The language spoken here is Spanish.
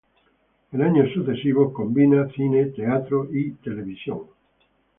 En años sucesivos combina cine, teatro y televisión.